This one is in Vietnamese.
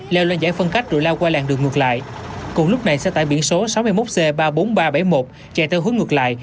leo lên giải phân cách rồi lao qua làng đường ngược lại cùng lúc này xe tải biển số sáu mươi một c ba mươi bốn nghìn ba trăm bảy mươi một chạy theo hướng ngược lại